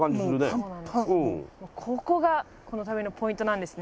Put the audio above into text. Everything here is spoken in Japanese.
ここがこの旅のポイントなんですね。